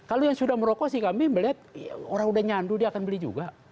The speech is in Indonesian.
kalau yang sudah merokok sih kami melihat orang sudah nyandu dia akan beli juga